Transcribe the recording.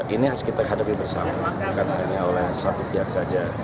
ini harus kita hadapi bersama bukan hanya oleh satu pihak saja